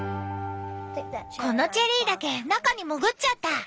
このチェリーだけ中に潜っちゃった。